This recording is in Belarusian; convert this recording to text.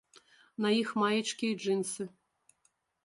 На іх маечкі і джынсы.